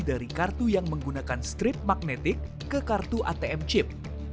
dari kartu yang menggunakan strip magnetik ke kartu atm chip